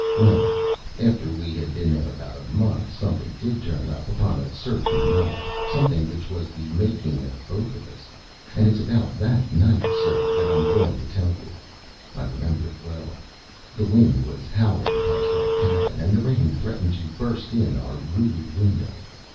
Well, after we had been there about a month something did turn up upon a certain night, something which was the making of both of us; and it’s about that night, sir, that I’m going to tell you. I remember it well. The wind was howling past our cabin, and the rain threatened to burst in our rude window.